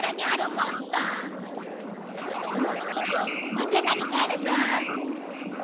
また何かあるぞ。